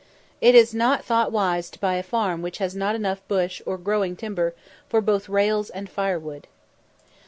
It is not thought wise to buy a farm which has not enough bush or growing timber for both rails and firewood.